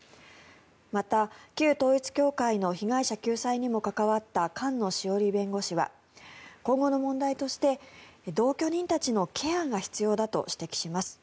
また、旧統一教会の被害者救済にも関わった菅野志桜里弁護士は今後の問題として同居人たちのケアが必要だと指摘します。